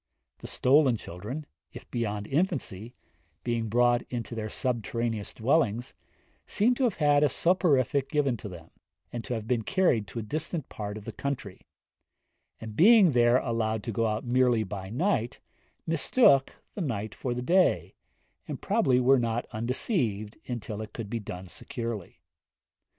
The stolen children, if beyond infancy, being brought into their subterraneous dwellings, seem to have had a soporific given them, and to have been carried to a distant part of the country; and, being there allowed to go out merely by night, mistook the night for the day, and probably were not undeceived until it could be done securely.